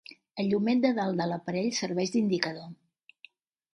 El llumet de dalt de l'aparell serveix d'indicador.